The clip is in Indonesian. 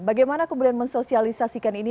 bagaimana kemudian mensosialisasikan ini